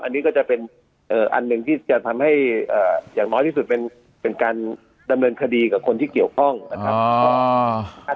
อันนี้ก็จะเป็นอันหนึ่งที่จะทำให้อย่างน้อยที่สุดเป็นการดำเนินคดีกับคนที่เกี่ยวข้องนะครับ